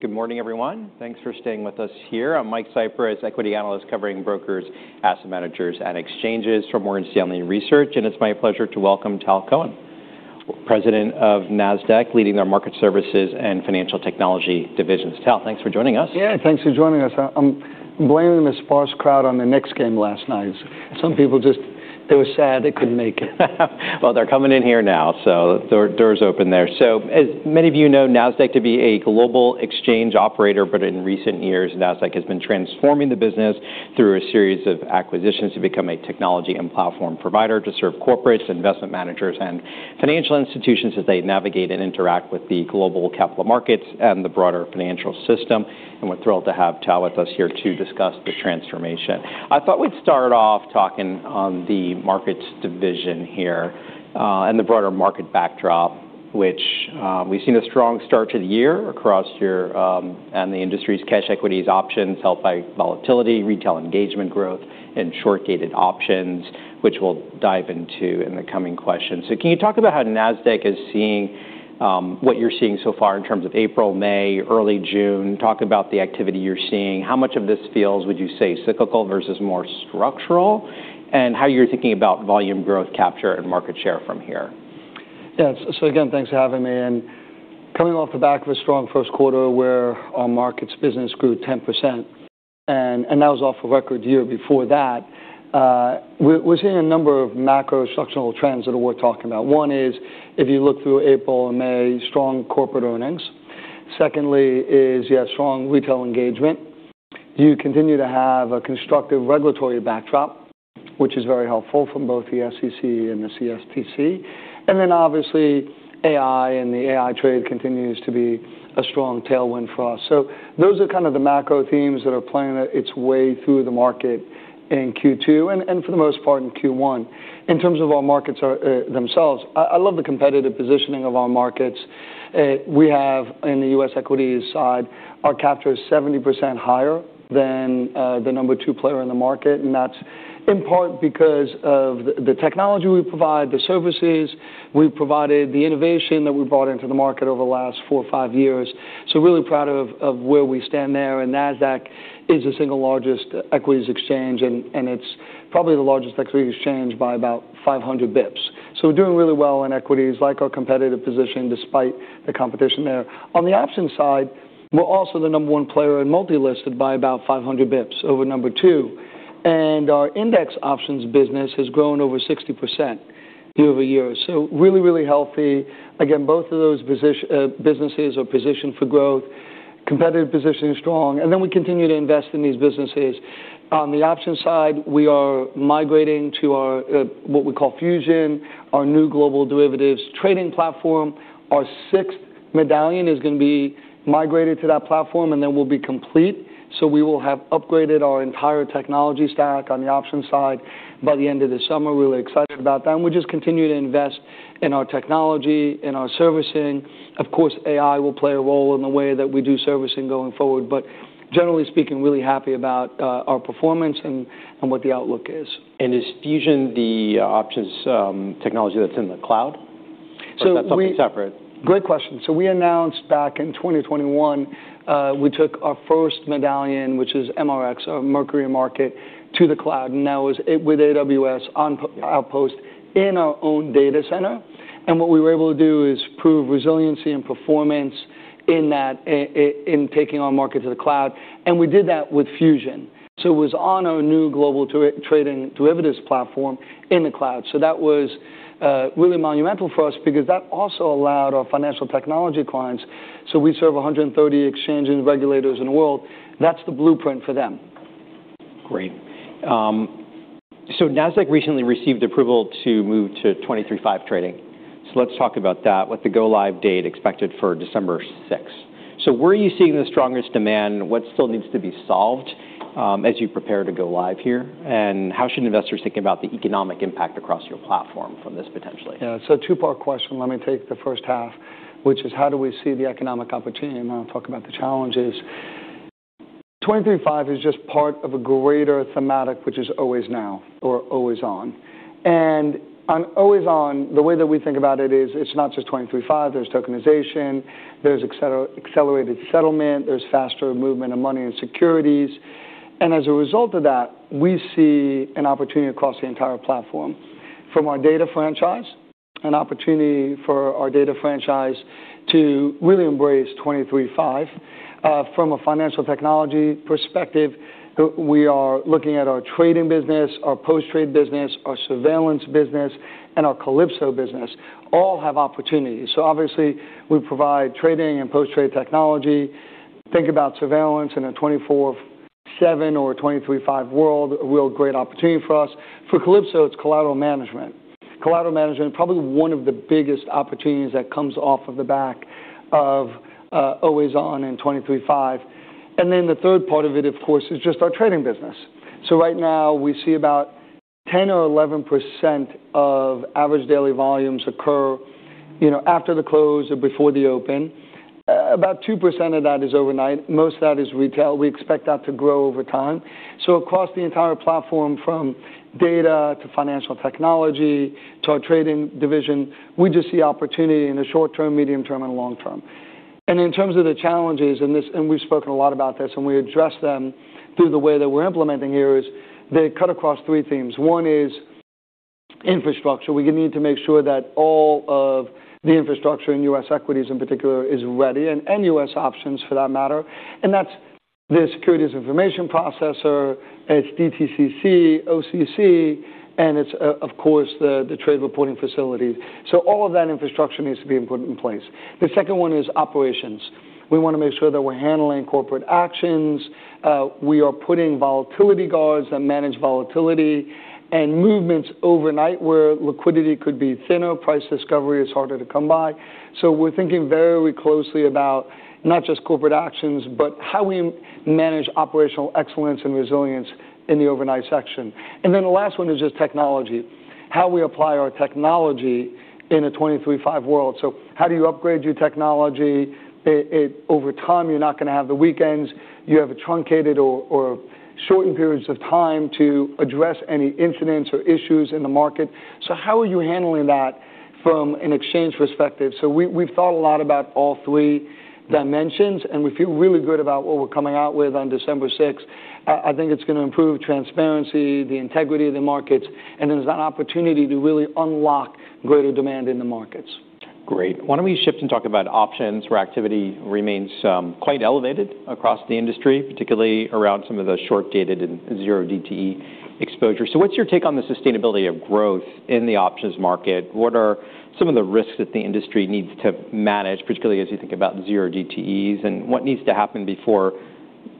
Good morning, everyone. Thanks for staying with us here. I'm Mike Cyprys, equity analyst covering brokers, asset managers, and exchanges for Morgan Stanley Research. It's my pleasure to welcome Tal Cohen, President of Nasdaq, leading their market services and financial technology divisions. Tal, thanks for joining us. Yeah, thanks for joining us. I'm blaming the sparse crowd on the Knicks game last night. Some people, they were sad they couldn't make it. Well, they're coming in here now. The door's open there. As many of you know, Nasdaq to be a global exchange operator, but in recent years, Nasdaq has been transforming the business through a series of acquisitions to become a technology and platform provider to serve corporates, investment managers, and financial institutions as they navigate and interact with the global capital markets and the broader financial system. We're thrilled to have Tal with us here to discuss the transformation. I thought we'd start off talking on the markets division here, and the broader market backdrop, which we've seen a strong start to the year across here, and the industry's cash equities options helped by volatility, retail engagement growth, and short-dated options, which we'll dive into in the coming questions. Can you talk about how Nasdaq is seeing what you're seeing so far in terms of April, May, early June? Talk about the activity you're seeing. How much of this feels, would you say, cyclical versus more structural, and how you're thinking about volume growth capture and market share from here? Yeah. Again, thanks for having me. Coming off the back of a strong Q1 where our markets business grew 10%, and that was off a record year before that. We're seeing a number of macro structural trends that we're talking about. One is, if you look through April and May, strong corporate earnings. Secondly is strong retail engagement. You continue to have a constructive regulatory backdrop, which is very helpful from both the SEC and the CFTC. Obviously, AI and the AI trade continues to be a strong tailwind for us. Those are kind of the macro themes that are playing its way through the market in Q2, and for the most part, in Q1. In terms of our markets themselves, I love the competitive positioning of our markets. We have in the U.S. equities side, our capture is 70% higher than the number two player in the market, and that's in part because of the technology we provide, the services we've provided, the innovation that we've brought into the market over the last four or five years. Really proud of where we stand there, Nasdaq is the single largest equities exchange, and it's probably the largest equities exchange by about 500 basis points. We're doing really well in equities, like our competitive position despite the competition there. On the options side, we're also the number one player in multi-listed by about 500 basis points over number two. Our index options business has grown over 60% year-over-year. Really, really healthy. Again, both of those businesses are positioned for growth, competitive positioning is strong. We continue to invest in these businesses. On the options side, we are migrating to our, what we call Fusion, our new global derivatives trading platform. Our sixth medallion is going to be migrated to that platform, and then we'll be complete. We will have upgraded our entire technology stack on the options side by the end of the summer. Really excited about that. We just continue to invest in our technology, in our servicing. Of course, AI will play a role in the way that we do servicing going forward. Generally speaking, really happy about our performance and what the outlook is. Is Fusion the options technology that's in the cloud? Is that something separate? Great question. We announced back in 2021, we took our first medallion, which is MRX, our mercury market, to the cloud, and that was with AWS on Outpost in our own data center. What we were able to do is prove resiliency and performance in taking our market to the cloud. We did that with Fusion. It was on our new global trading derivatives platform in the cloud. That was really monumental for us because that also allowed our financial technology clients. We serve 130 exchanges and regulators in the world. That's the blueprint for them. Great. Nasdaq recently received approval to move to 23/5 trading. Let's talk about that. With the go-live date expected for December 6. Where are you seeing the strongest demand? What still needs to be solved as you prepare to go live here? How should investors think about the economic impact across your platform from this potentially? Yeah. It's a two-part question. Let me take the first half, which is how do we see the economic opportunity, then I'll talk about the challenges. 23/5 is just part of a greater thematic, which is always now or always on. On always on, the way that we think about it is, it's not just 23/5. There's tokenization, there's accelerated settlement, there's faster movement of money and securities. As a result of that, we see an opportunity across the entire platform. From our data franchise, an opportunity for our data franchise to really embrace 23/5. From a financial technology perspective, we are looking at our trading business, our post-trade business, our surveillance business, and our Calypso business all have opportunities. Obviously we provide trading and post-trade technology. Think about surveillance in a 24/7 or a 23/5 world, a real great opportunity for us. For Calypso, it's collateral management. Collateral management, probably one of the biggest opportunities that comes off of the back of always on and 23/5. Then the third part of it, of course, is just our trading business. Right now, we see about 10% or 11% of average daily volumes occur after the close or before the open. About two percent of that is overnight. Most of that is retail. We expect that to grow over time. Across the entire platform, from data to financial technology to our trading division, we just see opportunity in the short term, medium term, and long term. In terms of the challenges, and we've spoken a lot about this, and we address them through the way that we're implementing here, is they cut across three themes. One is infrastructure. We need to make sure that all of the infrastructure in U.S. equities, in particular, is ready, and U.S. options for that matter. That's the securities information processor, it's DTCC, OCC, and it's, of course, the trade reporting facility. All of that infrastructure needs to be put in place. The second one is operations. We want to make sure that we're handling corporate actions. We are putting volatility guards that manage volatility and movements overnight where liquidity could be thinner, price discovery is harder to come by. We're thinking very closely about not just corporate actions, but how we manage operational excellence and resilience in the overnight section. The last one is just technology. How we apply our technology in a 23/5 world. How do you upgrade your technology? Over time, you're not going to have the weekends. You have truncated or shortened periods of time to address any incidents or issues in the market. How are you handling that from an exchange perspective? We've thought a lot about all three dimensions, and we feel really good about what we're coming out with on December 6th. I think it's going to improve transparency, the integrity of the markets, and there's an opportunity to really unlock greater demand in the markets. Great. Why don't we shift and talk about options, where activity remains quite elevated across the industry, particularly around some of the short-dated and zero DTE exposure. What's your take on the sustainability of growth in the options market? What are some of the risks that the industry needs to manage, particularly as you think about zero DTEs? What needs to happen before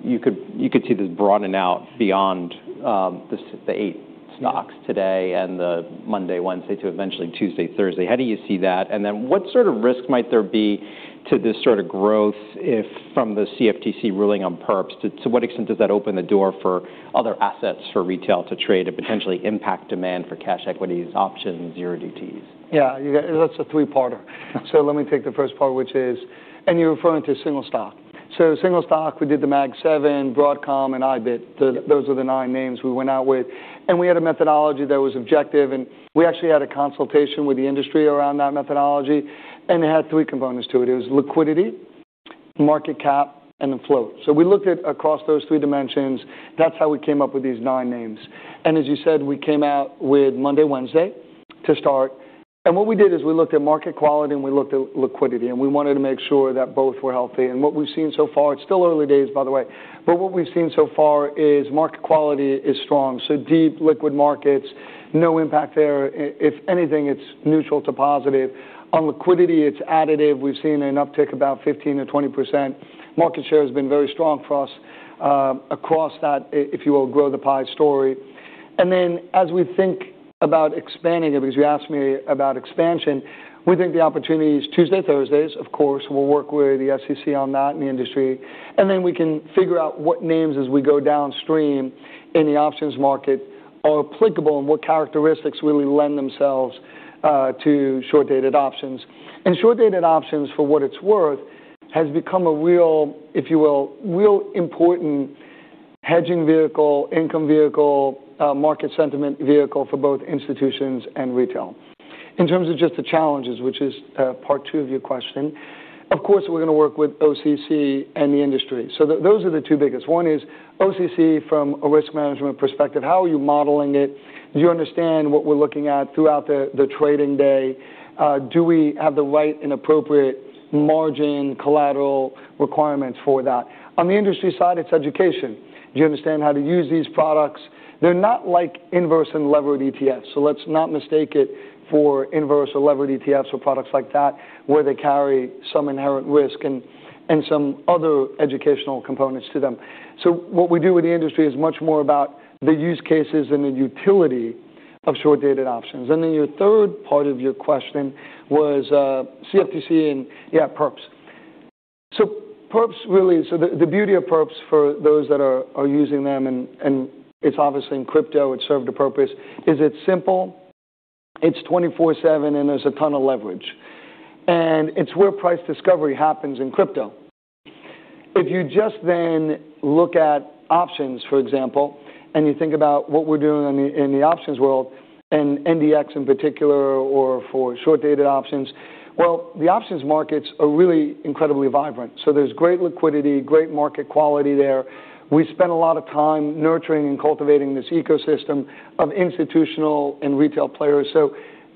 you could see this broadening out beyond, the eight stocks today and the Monday, Wednesday to eventually Tuesday, Thursday. How do you see that? What sort of risk might there be to this sort of growth if from the CFTC ruling on perps? To what extent does that open the door for other assets for retail to trade and potentially impact demand for cash equities, options, zero DTEs? Yeah, that's a three-parter. Let me take the first part, which is, you're referring to single stock. Single stock, we did the Mag Seven, Broadcom, and IBIT. Yep. Those are the nine names we went out with. We had a methodology that was objective, we actually had a consultation with the industry around that methodology, it had three components to it. It was liquidity, market cap, and the float. We looked at across those three dimensions. That's how we came up with these nine names. As you said, we came out with Monday, Wednesday to start. What we did is we looked at market quality, we looked at liquidity, and we wanted to make sure that both were healthy. What we've seen so far, it's still early days, by the way, but what we've seen so far is market quality is strong. Deep, liquid markets, no impact there. If anything, it's neutral to positive. On liquidity, it's additive. We've seen an uptick about 15%-20%. Market share has been very strong for us, across that, if you will, grow the pie story. As we think about expanding it, because you asked me about expansion, we think the opportunity is Tuesday, Thursdays. Of course, we'll work with the SEC on that and the industry. We can figure out what names as we go downstream in the options market are applicable and what characteristics really lend themselves to short-dated options. Short-dated options, for what it's worth, has become a real, if you will, real important hedging vehicle, income vehicle, market sentiment vehicle for both institutions and retail. In terms of just the challenges, which is part two of your question, of course, we're going to work with OCC and the industry. Those are the two biggest. One is OCC from a risk management perspective, how are you modeling it? Do you understand what we're looking at throughout the trading day? Do we have the right and appropriate margin collateral requirements for that? On the industry side, it's education. Do you understand how to use these products? They're not like inverse and levered ETFs, let's not mistake it for inverse or levered ETFs or products like that, where they carry some inherent risk and some other educational components to them. What we do with the industry is much more about the use cases and the utility of short-dated options. Your third part of your question was CFTC and, yeah, perps. The beauty of perps for those that are using them, it's obviously in crypto, it served a purpose, is it's simple, it's 24/7, there's a ton of leverage. It's where price discovery happens in crypto. If you just look at options, for example, you think about what we're doing in the options world and NDX in particular, or for short-dated options, well, the options markets are really incredibly vibrant. There's great liquidity, great market quality there. We spent a lot of time nurturing and cultivating this ecosystem of institutional and retail players.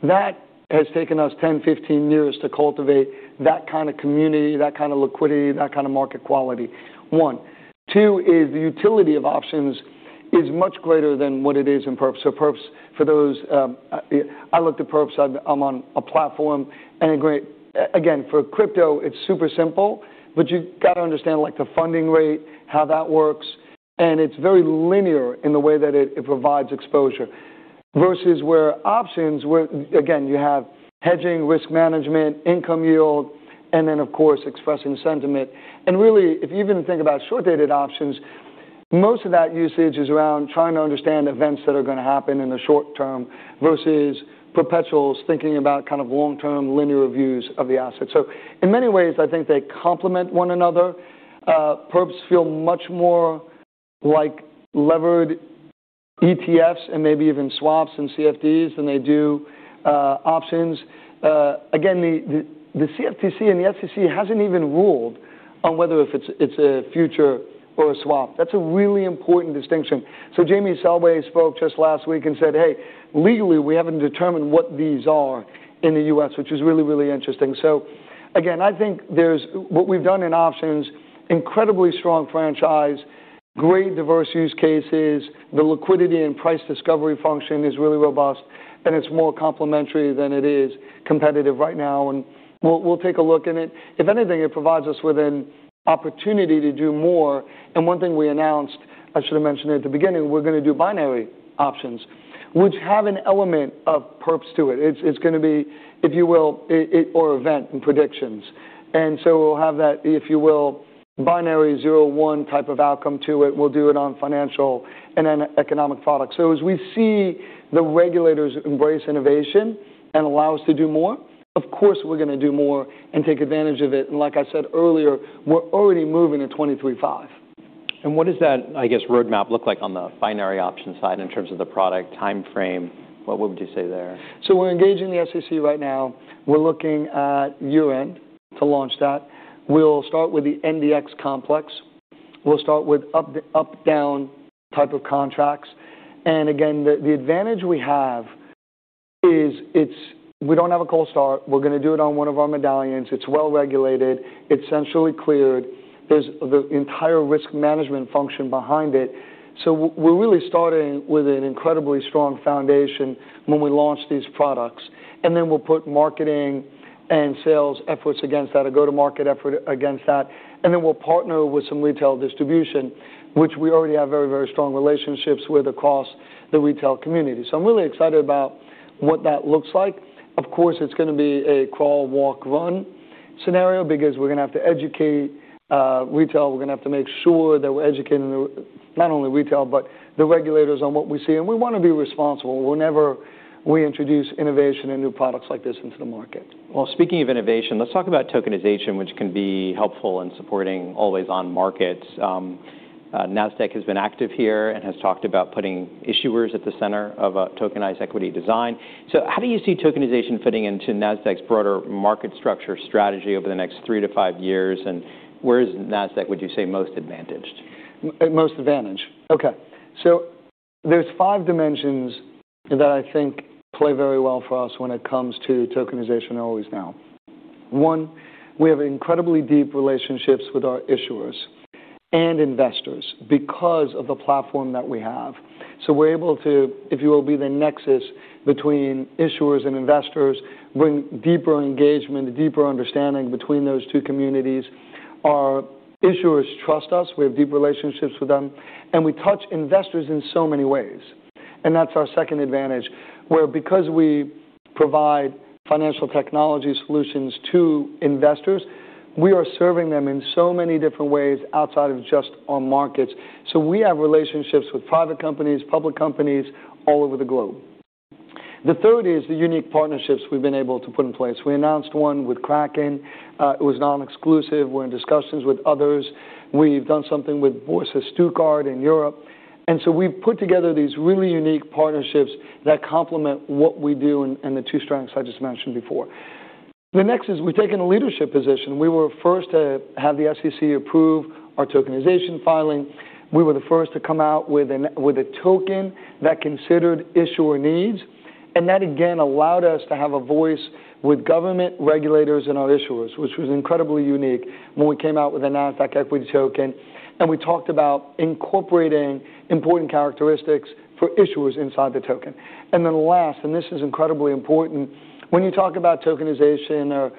That has taken us 10, 15 years to cultivate that kind of community, that kind of liquidity, that kind of market quality, one. Two is the utility of options is much greater than what it is in perps. Perps. I looked at perps. I'm on a platform, again, for crypto, it's super simple, you got to understand, like, the funding rate, how that works, it's very linear in the way that it provides exposure. Versus where options, again, you have hedging, risk management, income yield, then of course, expressing sentiment. Really, if you even think about short-dated options, most of that usage is around trying to understand events that are going to happen in the short term versus perpetuals thinking about kind of long-term linear views of the asset. In many ways, I think they complement one another. Perps feel much more like levered-ETFs and maybe even swaps and CFDs than they do options. Again, the CFTC and the SEC hasn't even ruled on whether if it's a future or a swap. That's a really important distinction. Jamie Selway spoke just last week and said, "Hey, legally, we haven't determined what these are in the U.S.," which is really, really interesting. Again, I think what we've done in options, incredibly strong franchise, great diverse use cases, the liquidity and price discovery function is really robust, it's more complementary than it is competitive right now, we'll take a look at it. If anything, it provides us with an opportunity to do more. One thing we announced, I should have mentioned it at the beginning, we're going to do binary options, which have an element of perps to it. It's going to be, if you will, or event and predictions. We'll have that, if you will, binary zero one type of outcome to it. We'll do it on financial and economic products. As we see the regulators embrace innovation and allow us to do more, of course, we're going to do more and take advantage of it. Like I said earlier, we're already moving to 23/5. What does that, I guess, roadmap look like on the binary option side in terms of the product timeframe? What would you say there? We're engaging the SEC right now. We're looking at year-end to launch that. We'll start with the Nasdaq-100 complex. We'll start with up/down type of contracts. Again, the advantage we have is we don't have a cold start. We're going to do it on one of our medallions. It's well-regulated. It's centrally cleared. There's the entire risk management function behind it. We're really starting with an incredibly strong foundation when we launch these products. Then we'll put marketing and sales efforts against that, a go-to-market effort against that. Then we'll partner with some retail distribution, which we already have very strong relationships with across the retail community. I'm really excited about what that looks like. Of course, it's going to be a crawl, walk, run scenario because we're going to have to educate retail. We're going to have to make sure that we're educating not only retail, but the regulators on what we see. We want to be responsible whenever we introduce innovation and new products like this into the market. Well, speaking of innovation, let's talk about tokenization, which can be helpful in supporting always-on markets. Nasdaq has been active here and has talked about putting issuers at the center of a tokenized equity design. How do you see tokenization fitting into Nasdaq's broader market structure strategy over the next three - five years, and where is Nasdaq, would you say, most advantaged? Most advantaged. Okay. There's five dimensions that I think play very well for us when it comes to tokenization always now. One, we have incredibly deep relationships with our issuers and investors because of the platform that we have. We're able to, if you will, be the nexus between issuers and investors, bring deeper engagement, deeper understanding between those two communities. Our issuers trust us. We have deep relationships with them, and we touch investors in so many ways. That's our second advantage, where because we provide financial technology solutions to investors, we are serving them in so many different ways outside of just our markets. We have relationships with private companies, public companies all over the globe. The third is the unique partnerships we've been able to put in place. We announced one with Kraken. It was non-exclusive. We're in discussions with others. We've done something with Börse Stuttgart in Europe. We've put together these really unique partnerships that complement what we do and the two strengths I just mentioned before. The next is we've taken a leadership position. We were first to have the SEC approve our tokenization filing. We were the first to come out with a token that considered issuer needs. That, again, allowed us to have a voice with government regulators and our issuers, which was incredibly unique when we came out with the Nasdaq equity token. We talked about incorporating important characteristics for issuers inside the token. This is incredibly important, when you talk about tokenization or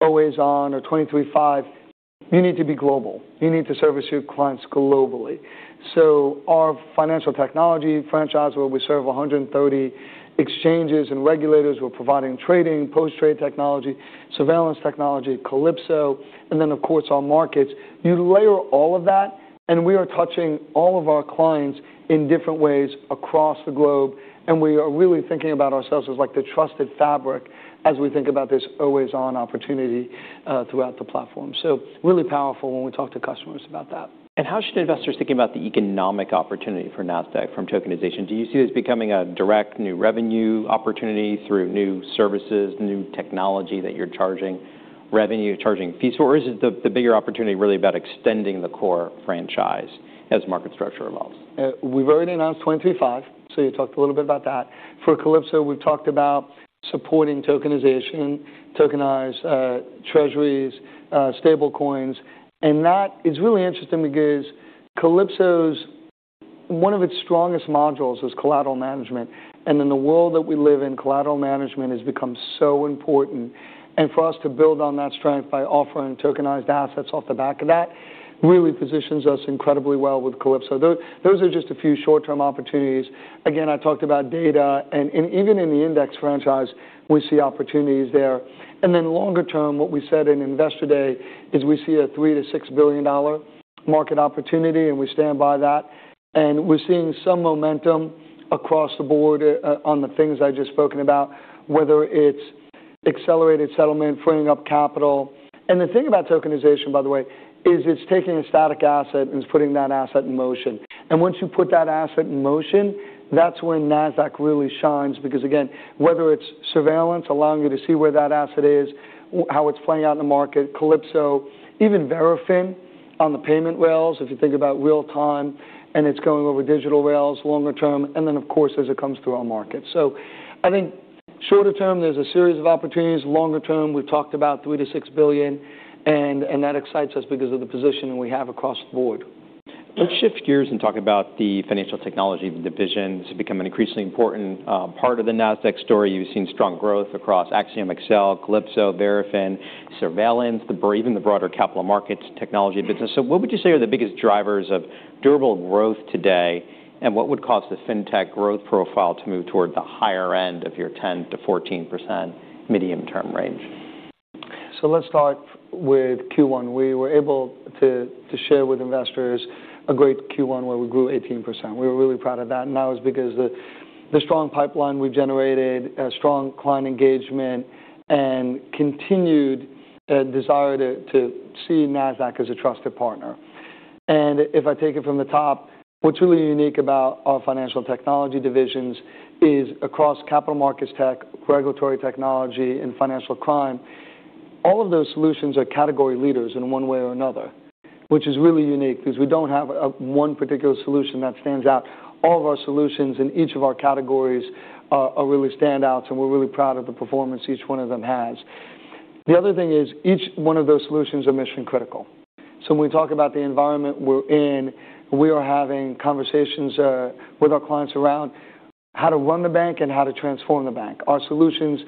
always on or 23/5, you need to be global. You need to service your clients globally. Our financial technology franchise, where we serve 130 exchanges and regulators, we're providing trading, post-trade technology, surveillance technology, Calypso, then of course, our markets. You layer all of that, we are touching all of our clients in different ways across the globe, and we are really thinking about ourselves as like the trusted fabric as we think about this always-on opportunity throughout the platform. Really powerful when we talk to customers about that. How should investors think about the economic opportunity for Nasdaq from tokenization? Do you see this becoming a direct new revenue opportunity through new services, new technology that you're charging revenue, charging fees, or is the bigger opportunity really about extending the core franchise as market structure evolves? We've already announced 23/5. For Calypso, we've talked about supporting tokenization, tokenized treasuries, stablecoins. That is really interesting because Calypso's, one of its strongest modules is collateral management. In the world that we live in, collateral management has become so important. For us to build on that strength by offering tokenized assets off the back of that really positions us incredibly well with Calypso. Those are just a few short-term opportunities. Again, I talked about data, even in the index franchise, we see opportunities there. Longer term, what we said in Investor Day is we see a $3 billion-$6 billion market opportunity, and we stand by that. We're seeing some momentum across the board on the things I've just spoken about, whether it's accelerated settlement, freeing up capital. The thing about tokenization, by the way, is it's taking a static asset and it's putting that asset in motion. Once you put that asset in motion, that's when Nasdaq really shines, because again, whether it's surveillance, allowing you to see where that asset is, how it's playing out in the market, Calypso, even Verafin on the payment rails, if you think about real time, and it's going over digital rails longer term, and then of course, as it comes through our market. I think shorter term, there's a series of opportunities. Longer term, we've talked about $3 billion-$6 billion, and that excites us because of the position we have across the board. Let's shift gears and talk about the financial technology divisions. It's become an increasingly important part of the Nasdaq story. You've seen strong growth across AxiomSL, Calypso, Verafin, surveillance, or even the broader capital markets technology business. What would you say are the biggest drivers of durable growth today, and what would cause the fintech growth profile to move toward the higher end of your 10%-14% medium-term range? Let's start with Q1. We were able to share with investors a great Q1 where we grew 18%. We were really proud of that, and that was because the strong pipeline we've generated, a strong client engagement, and continued desire to see Nasdaq as a trusted partner. If I take it from the top, what's really unique about our financial technology divisions is across capital markets tech, regulatory technology, and financial crime, all of those solutions are category leaders in one way or another, which is really unique because we don't have one particular solution that stands out. All of our solutions in each of our categories are really standouts, and we're really proud of the performance each one of them has. The other thing is each one of those solutions are mission-critical. When we talk about the environment we're in, we are having conversations with our clients around how to run the bank and how to transform the bank. Our solutions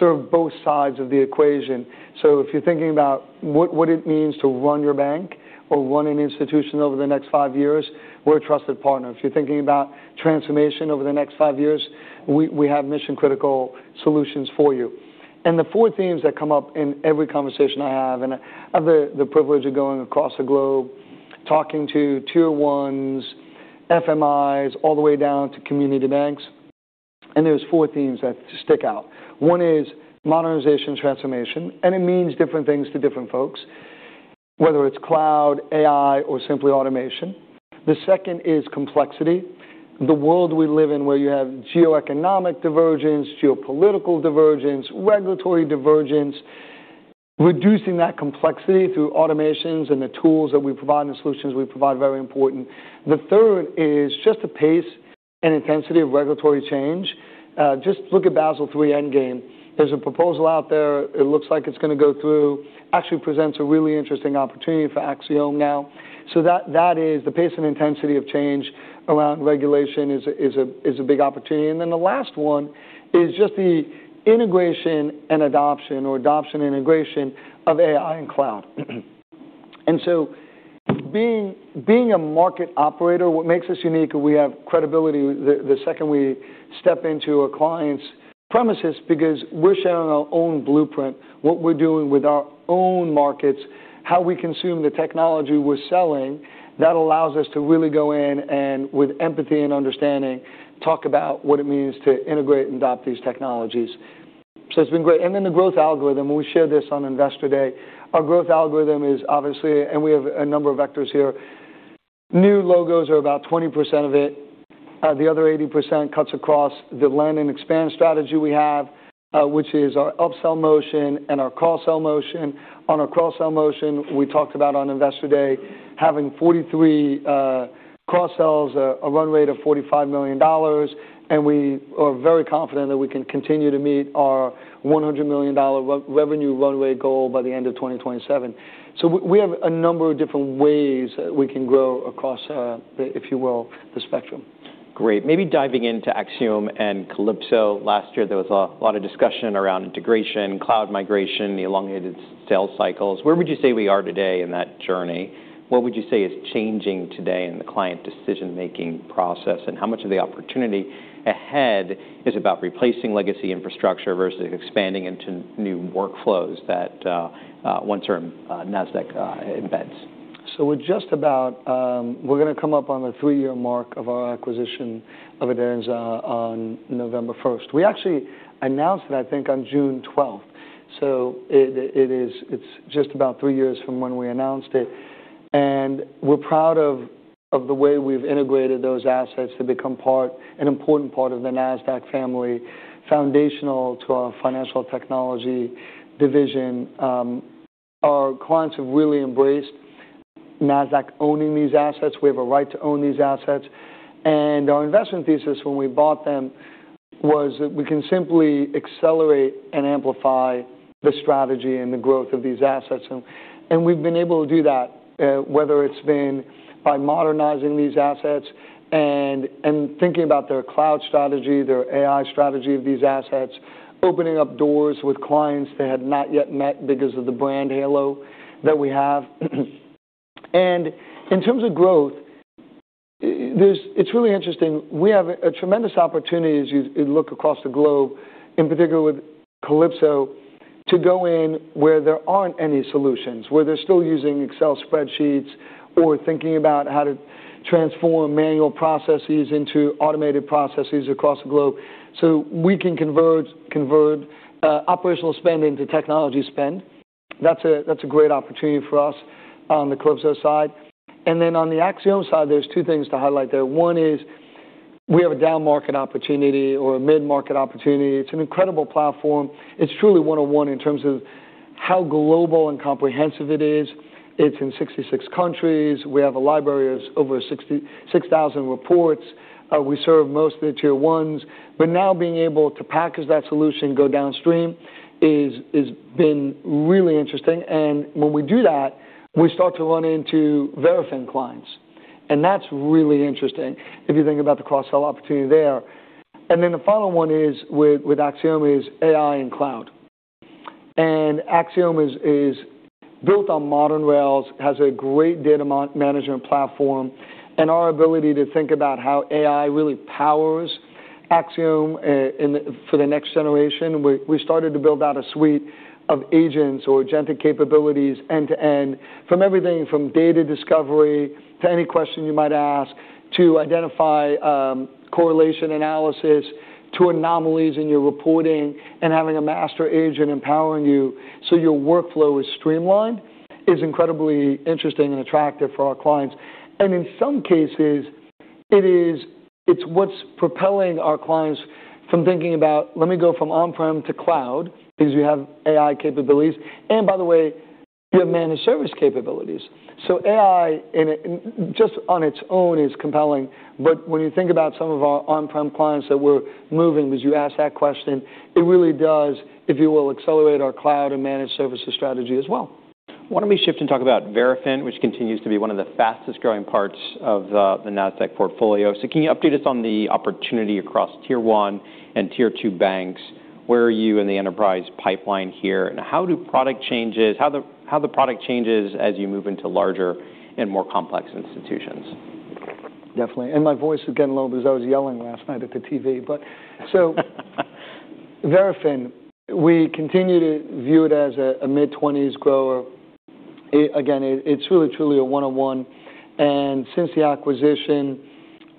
serve both sides of the equation. If you're thinking about what it means to run your bank or run an institution over the next five years, we're a trusted partner. If you're thinking about transformation over the next five years, we have mission-critical solutions for you. The four themes that come up in every conversation I have, and I have the privilege of going across the globe talking to tier 1s, FMIs, all the way down to community banks, and there's four themes that stick out. One is modernization transformation, and it means different things to different folks, whether it's cloud, AI, or simply automation. The second is complexity. The world we live in, where you have geo-economic divergence, geopolitical divergence, regulatory divergence. Reducing that complexity through automations and the tools that we provide and the solutions we provide is very important. The third is the pace and intensity of regulatory change. Look at Basel III endgame. There is a proposal out there. It looks like it's going to go through. It actually presents a really interesting opportunity for Axiom now. That is the pace and intensity of change around regulation is a big opportunity. The last one is the integration and adoption or adoption integration of AI and cloud. Being a market operator, what makes us unique, we have credibility the second we step into a client's premises because we're sharing our own blueprint, what we're doing with our own markets, how we consume the technology we're selling. That allows us to really go in and, with empathy and understanding, talk about what it means to integrate and adopt these technologies. It's been great. The growth algorithm, and we shared this on Investor Day. Our growth algorithm is obviously. We have a number of vectors here. New logos are about 20% of it. The other 80% cuts across the land and expand strategy we have, which is our upsell motion and our cross-sell motion. On our cross-sell motion, we talked about on Investor Day, having 43 cross-sells, a run rate of $45 million. We are very confident that we can continue to meet our $100 million revenue runway goal by the end of 2027. We have a number of different ways that we can grow across, if you will, the spectrum. Great. Maybe diving into AxiomSL and Calypso. Last year, there was a lot of discussion around integration, cloud migration, the elongated sales cycles. Where would you say we are today in that journey? What would you say is changing today in the client decision-making process, and how much of the opportunity ahead is about replacing legacy infrastructure versus expanding into new workflows that one-term Nasdaq embeds? We're going to come up on the three-year mark of our acquisition of Adenza on November 1st. We actually announced it, I think, on June 12th. It's just about three years from when we announced it, and we're proud of the way we've integrated those assets to become an important part of the Nasdaq family, foundational to our financial technology division. Our clients have really embraced Nasdaq owning these assets. We have a right to own these assets. Our investment thesis when we bought them was that we can simply accelerate and amplify the strategy and the growth of these assets. We've been able to do that, whether it's been by modernizing these assets and thinking about their cloud strategy, their AI strategy of these assets, opening up doors with clients they had not yet met because of the brand halo that we have. In terms of growth, it's really interesting. We have a tremendous opportunity as you look across the globe, in particular with Calypso, to go in where there aren't any solutions, where they're still using Excel spreadsheets or thinking about how to transform manual processes into automated processes across the globe so we can convert operational spend into technology spend. That's a great opportunity for us on the Calypso side. On the AxiomSL side, there's two things to highlight there. One is we have a down-market opportunity or a mid-market opportunity. It's an incredible platform. It's truly one-on-one in terms of how global and comprehensive it is. It's in 66 countries. We have a library of over 6,000 reports. We serve most of the tier 1s. Now being able to package that solution, go downstream, has been really interesting. When we do that, we start to run into Verafin clients. That's really interesting if you think about the cross-sell opportunity there. The final one with AxiomSL is AI and cloud. AxiomSL is built on modern rails, has a great data management platform, and our ability to think about how AI really powers AxiomSL for the next generation. We started to build out a suite of agents or agentic capabilities end-to-end, from everything from data discovery to any question you might ask to identify correlation analysis to anomalies in your reporting and having a master agent empowering you so your workflow is streamlined, is incredibly interesting and attractive for our clients. In some cases, it's what's propelling our clients from thinking about, let me go from on-prem to cloud because you have AI capabilities, and by the way, you have managed service capabilities. AI just on its own is compelling, but when you think about some of our on-prem clients that we're moving, because you asked that question, it really does, if you will, accelerate our cloud and managed services strategy as well. Why don't we shift and talk about Verafin, which continues to be one of the fastest-growing parts of the Nasdaq portfolio. Can you update us on the opportunity across tier 1 and tier 2 banks? Where are you in the enterprise pipeline here? How the product changes as you move into larger and more complex institutions? Definitely. My voice is getting a little bit, because I was yelling last night at the TV. Verafin, we continue to view it as a mid-20s grower. Again, it's really truly a one-on-one, and since the acquisition,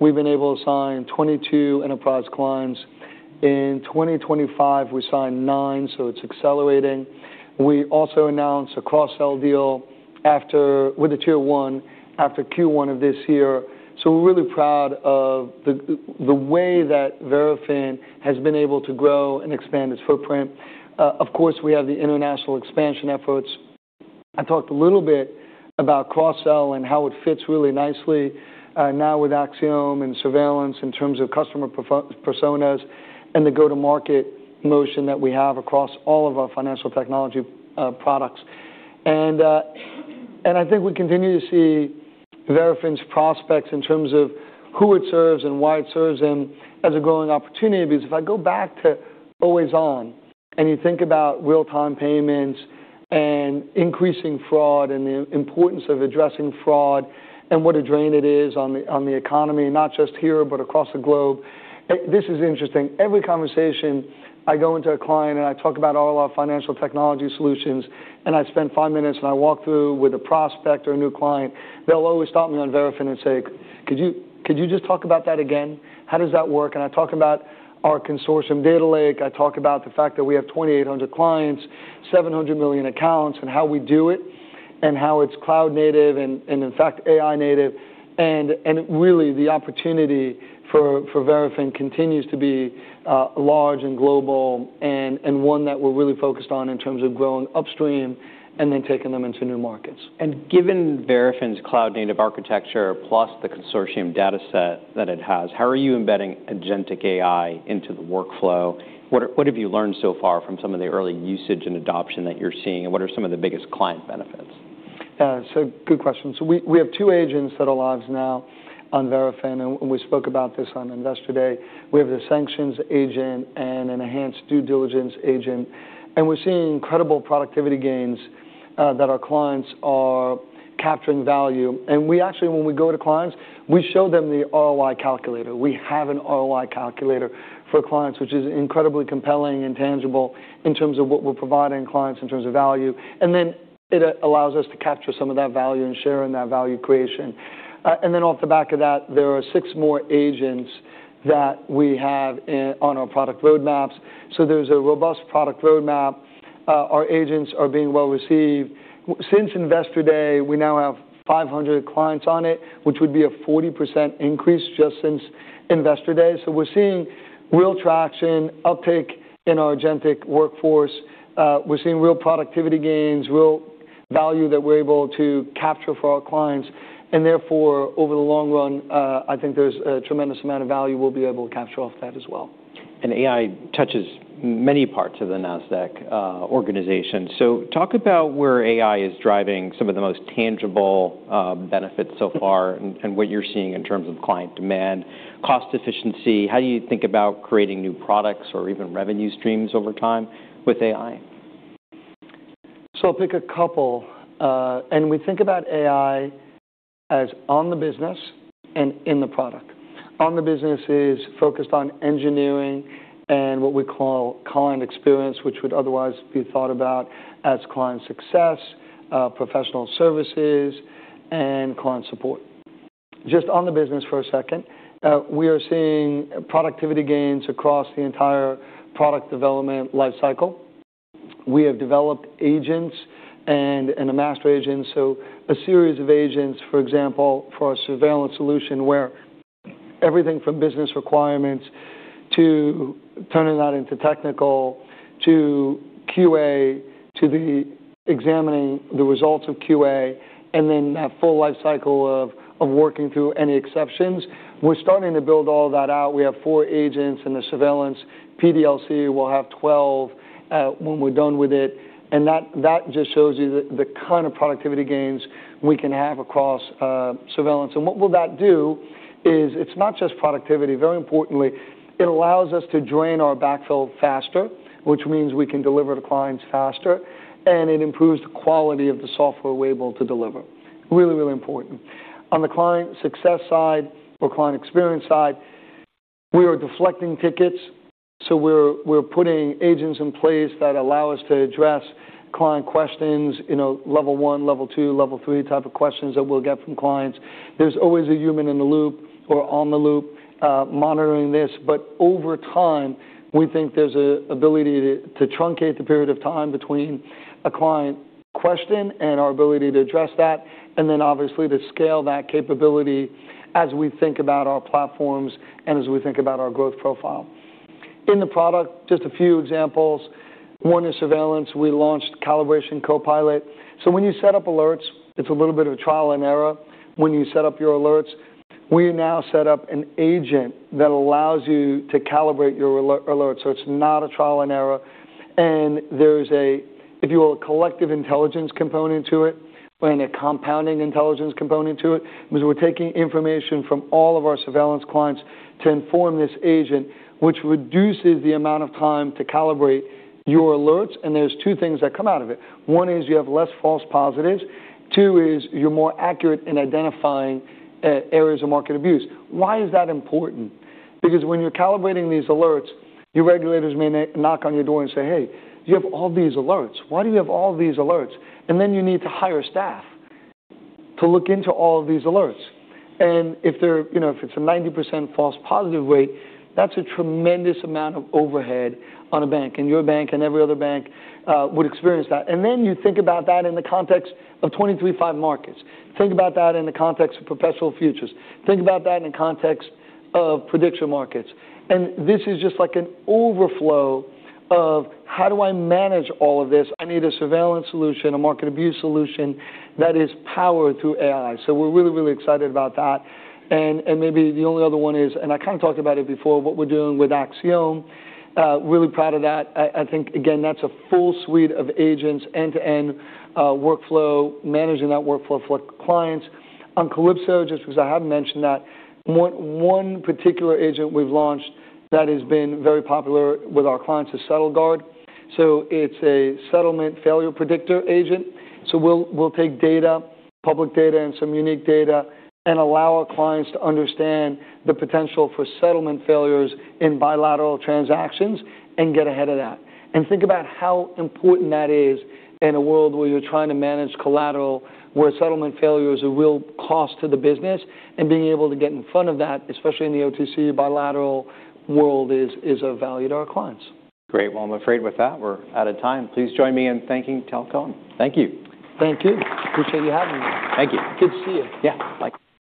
we've been able to sign 22 enterprise clients. In 2025, we signed nine. It's accelerating. We also announced a cross-sell deal with the tier 1 after Q1 of this year. We're really proud of the way that Verafin has been able to grow and expand its footprint. Of course, we have the international expansion efforts. I talked a little bit about cross-sell and how it fits really nicely now with AxiomSL and Surveillance in terms of customer personas and the go-to-market motion that we have across all of our financial technology products. I think we continue to see Verafin's prospects in terms of who it serves and why it serves them as a growing opportunity. If I go back to always on and you think about real-time payments and increasing fraud and the importance of addressing fraud and what a drain it is on the economy, not just here, but across the globe, this is interesting. Every conversation, I go into a client, and I talk about all our financial technology solutions, and I spend five minutes, and I walk through with a prospect or a new client. They'll always stop me on Verafin and say, "Could you just talk about that again? How does that work?" I talk about our consortium data lake. I talk about the fact that we have 2,800 clients, 700 million accounts, and how we do it, and how it's cloud-native, and in fact, AI-native. Really the opportunity for Verafin continues to be large and global and one that we're really focused on in terms of growing upstream and then taking them into new markets. Given Verafin's cloud-native architecture plus the consortium data set that it has, how are you embedding agentic AI into the workflow? What have you learned so far from some of the early usage and adoption that you're seeing, and what are some of the biggest client benefits? Good question. We have two agents that are live now on Verafin, and we spoke about this on Investor Day. We have the sanctions agent and an enhanced due diligence agent. We're seeing incredible productivity gains that our clients are capturing value. We actually, when we go to clients, we show them the ROI calculator. We have an ROI calculator for clients, which is incredibly compelling and tangible in terms of what we're providing clients in terms of value. It allows us to capture some of that value and share in that value creation. Off the back of that, there are six more agents that we have on our product roadmaps. There's a robust product roadmap. Our agents are being well-received. Since Investor Day, we now have 500 clients on it, which would be a 40% increase just since Investor Day. We're seeing real traction, uptick in our agentic workforce. We're seeing real productivity gains, real value that we're able to capture for our clients. Over the long run, I think there's a tremendous amount of value we'll be able to capture off that as well. AI touches many parts of the Nasdaq organization. Talk about where AI is driving some of the most tangible benefits so far and what you're seeing in terms of client demand, cost efficiency. How do you think about creating new products or even revenue streams over time with AI? I'll pick a couple. We think about AI as on the business and in the product. On the business is focused on engineering and what we call client experience, which would otherwise be thought about as client success, professional services, and client support. Just on the business for a second, we are seeing productivity gains across the entire product development life cycle. We have developed agents and a master agent, so a series of agents, for example, for our surveillance solution, where everything from business requirements to turning that into technical to QA, to the examining the results of QA, and then that full life cycle of working through any exceptions. We're starting to build all that out. We have four agents in the surveillance PDLC. We'll have 12 when we're done with it. That just shows you the kind of productivity gains we can have across surveillance. What will that do is it's not just productivity. Very importantly, it allows us to drain our backfill faster, which means we can deliver to clients faster, and it improves the quality of the software we're able to deliver. Really, really important. On the client success side or client experience side, we are deflecting tickets. We're putting agents in place that allow us to address client questions, level 1, level two, level three type of questions that we'll get from clients. There's always a human in the loop or on the loop monitoring this. Over time, we think there's an ability to truncate the period of time between a client question and our ability to address that, and then obviously to scale that capability as we think about our platforms and as we think about our growth profile. In the product, just a few examples. One is surveillance. We launched Calibration Copilot. When you set up alerts, it's a little bit of a trial and error when you set up your alerts. We now set up an agent that allows you to calibrate your alert, so it's not a trial and error. There's a, if you will, collective intelligence component to it and a compounding intelligence component to it because we're taking information from all of our surveillance clients to inform this agent, which reduces the amount of time to calibrate your alerts. There's two things that come out of it. One is you have less false positives. Two is you're more accurate in identifying areas of market abuse. Why is that important? Because when you're calibrating these alerts, your regulators may knock on your door and say, "Hey, you have all these alerts. Why do you have all these alerts?" Then you need to hire staff to look into all of these alerts. If it's a 90% false positive rate, that's a tremendous amount of overhead on a bank, and your bank and every other bank would experience that. Then you think about that in the context of 23/5 markets. Think about that in the context of perpetual futures. Think about that in the context of prediction markets. This is just like an overflow of, how do I manage all of this? I need a surveillance solution, a market abuse solution that is powered through AI. We're really, really excited about that. Maybe the only other one is, and I kind of talked about it before, what we're doing with AxiomSL. Really proud of that. I think, again, that's a full suite of agents, end-to-end workflow, managing that workflow for clients. On Calypso, just because I haven't mentioned that, one particular agent we've launched that has been very popular with our clients is SettleGuard. It's a settlement failure predictor agent. We'll take data, public data, and some unique data, and allow our clients to understand the potential for settlement failures in bilateral transactions and get ahead of that. Think about how important that is in a world where you're trying to manage collateral, where settlement failure is a real cost to the business, being able to get in front of that, especially in the OTC bilateral world, is of value to our clients. Great. Well, I'm afraid with that, we're out of time. Please join me in thanking Tal Cohen. Thank you. Thank you. Appreciate you having me. Thank you. Good to see you. Yeah. Bye.